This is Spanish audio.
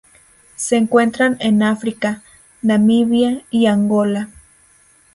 Se encuentran en África: Namibia y Angola.